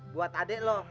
buat adek lo